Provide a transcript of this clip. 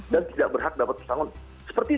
dan tidak berhak dapat pertanggung